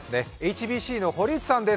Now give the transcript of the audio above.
ＨＢＣの堀内さんです。